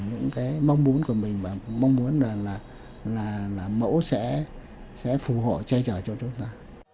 mong muốn của mình và mong muốn là mẫu sẽ phù hộ chơi trở cho chúng ta